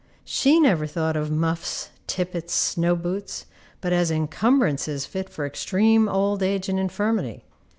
She never thought of muffs, tippets, snow boots, but as encumbrances fit for extreme old age and infirmity.